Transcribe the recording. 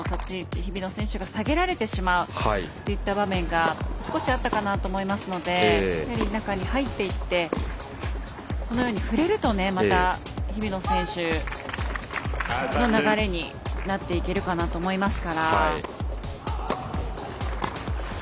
日比野選手が下げられてしまうといった場面が少しあったかなと思いますのでやはり、中に入っていって振れるとまた日比野選手の流れになっていけるかなと思いますから。